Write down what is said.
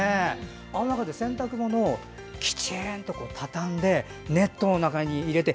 あの中で洗濯物をきちんと畳んでネットの中に入れて。